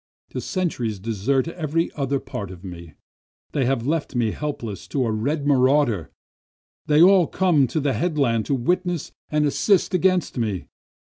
The sentries desert every other part of me, They have left me helpless to a red marauder, They all come to the headland to witness and assist against me.